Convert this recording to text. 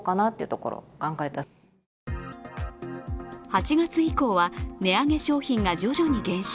８月以降は、値上げ商品が徐々に減少。